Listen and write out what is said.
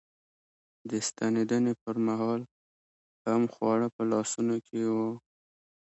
د ستنېدنې پر مهال هم خواړه په لاسونو کې و.